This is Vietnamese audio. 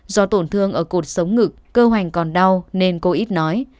do tổn thương ở cột sống ngực cơ hoành còn đau nên cô ít nói